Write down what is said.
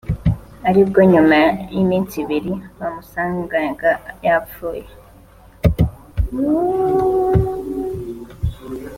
ari bwo nyuma y’iminsi ibiri bamusangaga yapfuye